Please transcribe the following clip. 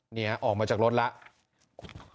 เนี่ยออกมาจากรถแล้ว